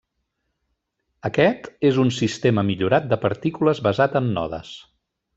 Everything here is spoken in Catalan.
Aquest, és un sistema millorat de partícules basat en nodes.